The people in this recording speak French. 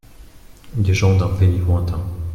Des gens d’un pays lointain.